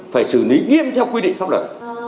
phải xử lý nghiêm theo quy định pháp lợi